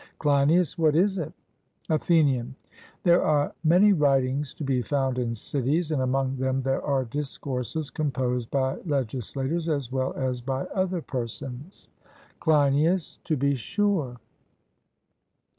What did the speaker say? CLEINIAS: What is it? ATHENIAN: There are many writings to be found in cities, and among them there are discourses composed by legislators as well as by other persons. CLEINIAS: To be sure.